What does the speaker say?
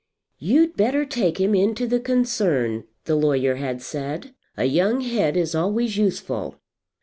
"You'd better take him into the concern," the lawyer had said. "A young head is always useful."